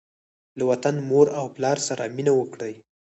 له وطن، مور او پلار سره مینه وکړئ.